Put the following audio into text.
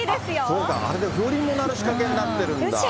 そうか、あれで風鈴も鳴る仕組みになってるんだ。